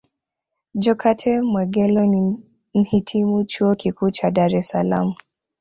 Jokate Mwegelo ni Mhitimu Chuo Kikuu cha Dar Es Salaam